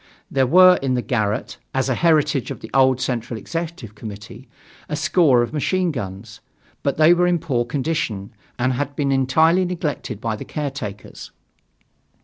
There were in the garret, as a heritage of the old Central Executive Committee, a score of machine guns, but they were in poor condition and had been entirely neglected by the caretakers.